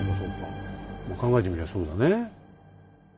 考えてみりゃそうだね。